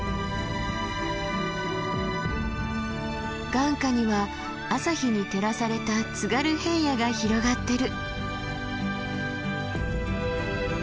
眼下には朝日に照らされた津軽平野が広がってる。